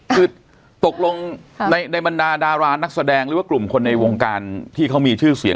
คือตกลงในบรรดาดารานักแสดงหรือว่ากลุ่มคนในวงการที่เขามีชื่อเสียง